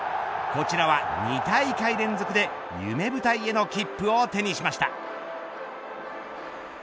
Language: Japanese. こちらは２大会連続で夢舞台への切符を手にしました。